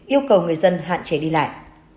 yêu cầu người dân hạn chế đi lại